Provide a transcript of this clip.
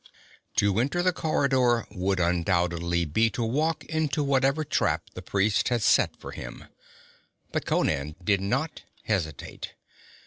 To enter the corridor would undoubtedly be to walk into whatever trap the priest had set for him. But Conan did not hesitate.